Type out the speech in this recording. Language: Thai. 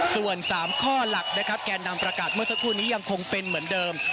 ส่วน๓ข้อหลักนะครับแกนนำประกาศเมื่อสักครู่นี้ยังคงเป็นเหมือนเดิม